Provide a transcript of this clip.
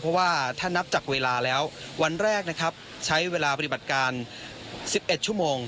เพราะว่าถ้านับจากเวลาแล้ววันแรกนะครับใช้เวลาปฏิบัติการ๑๑ชั่วโมง